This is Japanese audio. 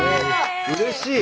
うれしい！